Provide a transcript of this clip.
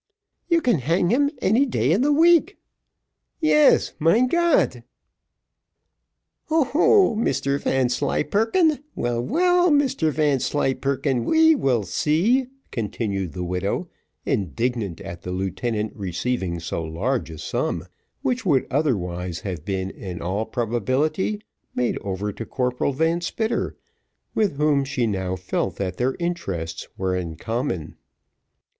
"You can hang him any day in the week." "Yes, mein Gott!" "Ho, ho! Mr Vanslyperken: well, well, Mr Vanslyperken, we will see," continued the widow, indignant at the lieutenant receiving so large a sum, which would otherwise have been, in all probability, made over to Corporal Van Spitter, with whom she now felt that their interests were in common.